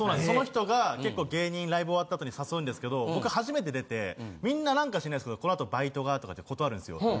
その人が結構芸人ライブ終わった後に誘うんですけど僕初めて出てみんな何か知らないですけど「このあとバイトが」とかって断るんですよ。